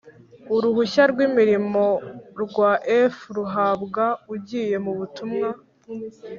Uruhushya rw imirimo rwa F ruhabwa ugiye mu butumwa